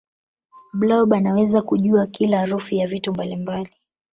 blob anaweza kujua kila harufu ya vitu mbalimbali